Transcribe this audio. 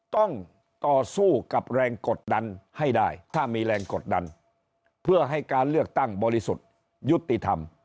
ต้องต่อสู้กับแรงกดดันให้ได้ถ้ามีแรงกดดันเพื่อให้การเลือกตั้งบริสุทธิ์ยุติธรรม